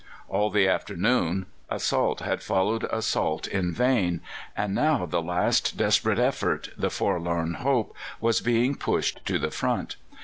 All the afternoon assault had followed assault in vain, and now the last desperate effort, the forlorn hope, was being pushed to the front.